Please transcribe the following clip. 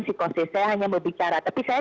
psikosis saya hanya berbicara tapi saya